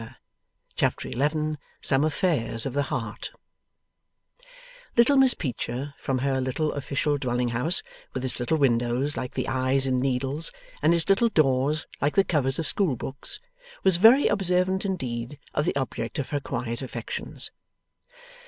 Chapter 11 SOME AFFAIRS OF THE HEART Little Miss Peecher, from her little official dwelling house, with its little windows like the eyes in needles, and its little doors like the covers of school books, was very observant indeed of the object of her quiet affections.